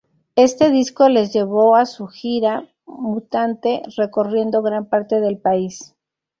Este disco les llevo a su Gira Mutante recorriendo gran parte del país.